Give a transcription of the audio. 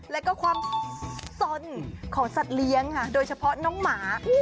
แล้วก็ความสนของสัตว์เลี้ยงค่ะโดยเฉพาะน้องหมา